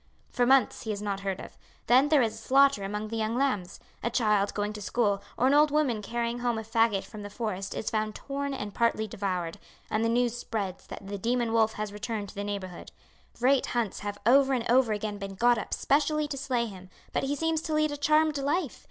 "For months he is not heard of. Then there is slaughter among the young lambs. A child going to school, or an old woman carrying home a faggot from the forest is found torn and partly devoured, and the news spreads that the demon wolf has returned to the neighbourhood. Great hunts have over and over again been got up specially to slay him, but he seems to lead a charmed life.